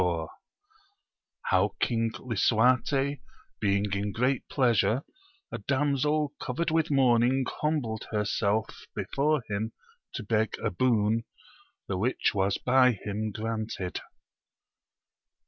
— How King Lisuarte being in great pleasure a damsel covered with mourning humbled herself before him to beg a boon, the which was by him granted.